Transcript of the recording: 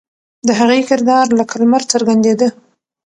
د هغې کردار لکه لمر څرګندېده.